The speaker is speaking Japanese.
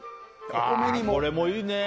これもいいね。